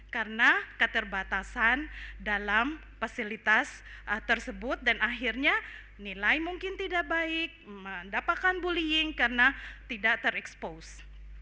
karena keterbatasan dalam fasilitas tersebut dan akhirnya nilai mungkin tidak baik mendapatkan bullying karena tidak ter expose